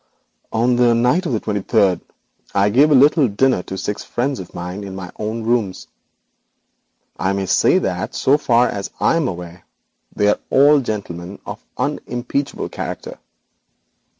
'On the night of the twenty third, I gave a little dinner to six friends of mine in my own rooms. I may say that so far as I am aware they are all gentlemen of unimpeachable character.